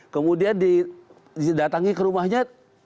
kemudian didatangi ke rumahnya